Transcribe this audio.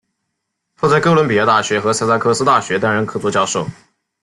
后在哥伦比亚大学和萨塞克斯大学担任客座教授。